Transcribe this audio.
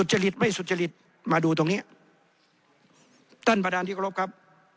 จริตไม่สุจริตมาดูตรงเนี้ยท่านประธานที่กรบครับ